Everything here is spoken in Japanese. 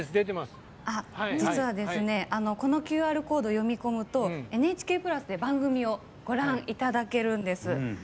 実はこのＱＲコードを読み込むとＮＨＫプラスで番組をご覧いただけるんです。